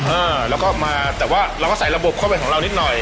เออแล้วก็มาแต่ว่าเราก็ใส่ระบบเข้าไปของเรานิดหน่อย